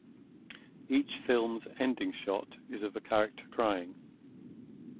Each films' ending shot is of a character crying.